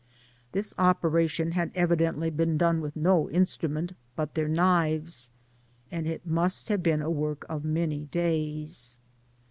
This operation had evidently been done with no instrument but their knives, and it must have been a work of many days.